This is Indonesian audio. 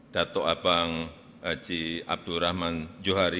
dato' abang haji abdul rahman johari